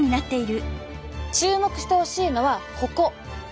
注目してほしいのはここ。